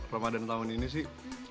ramadhan tahun ini sih